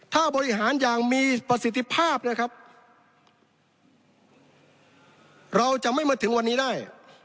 ถ้าบริหารอย่างมีประสิทธิภาพนะครับเราจะไม่มาถึงวันนี้ได้